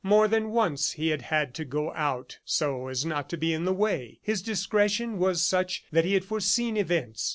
More than once, he had had to go out so as not to be in the way. His discretion was such that he had foreseen events.